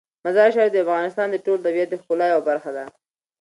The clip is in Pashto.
مزارشریف د افغانستان د ټول طبیعت د ښکلا یوه برخه ده.